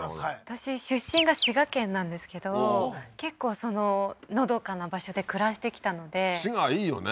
私出身が滋賀県なんですけど結構のどかな場所で暮らしてきたので滋賀はいいよね